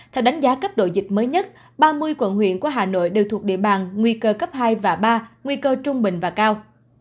theo đánh giá cấp độ dịch mới nhất ba mươi quận huyện của hà nội đều thuộc địa bàn nguy cơ cấp hai và ba nguy cơ trung bình và cao